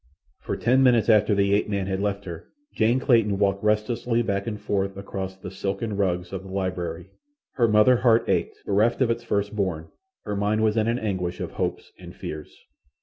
For ten minutes after the ape man had left her Jane Clayton walked restlessly back and forth across the silken rugs of the library. Her mother heart ached, bereft of its first born. Her mind was in an anguish of hopes and fears.